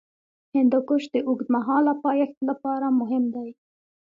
هندوکش د اوږدمهاله پایښت لپاره مهم دی.